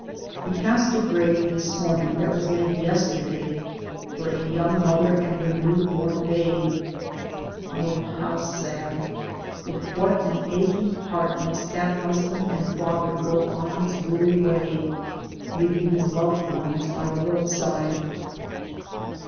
We passed a grave this morning that was made yesterday for a young mother and her 234 DAYS ON THE ROAD. new born babe. Oh, how sad. With what an aching heart must that husband and father go on his weary way, leaving his loved ones by the roadside.